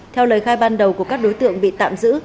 theo lời khai ban đầu của các đối tượng bị tạm giữ